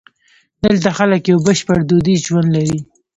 دلته خلک یو بشپړ دودیز ژوند لري.